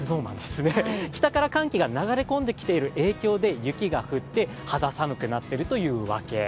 北から寒気が流れ込んでいる影響で雪が降って肌寒くなっているというわけ。